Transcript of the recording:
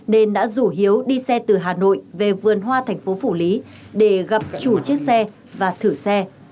nên đã rủ hiếu đi xe từ hà nội về vườn hoa thành phố phủ lý để gặp chủ chiếc xe và thử xe